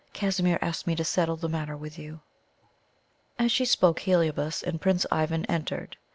Casimir asked me to settle the matter with, you." As she spoke, Heliobas and Prince Ivan entered.